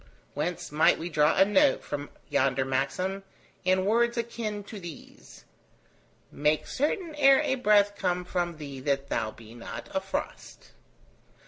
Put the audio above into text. Whence might we draw a note upon yonder maxim, in words akin to these: Make certain ere a breath come from thee that thou be not a frost.